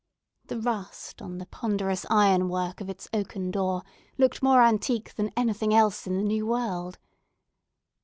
The rust on the ponderous iron work of its oaken door looked more antique than anything else in the New World.